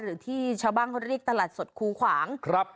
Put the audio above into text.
หรือที่ชาวบ้านเขาเรียกตลาดสดคูขวางครับ